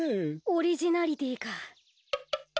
オリジナリティーか。